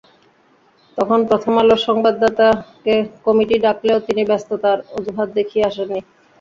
তখন প্রথম আলোর সংবাদদাতাকে কমিটি ডাকলেও তিনি ব্যস্ততার অজুহাত দেখিয়ে আসেননি।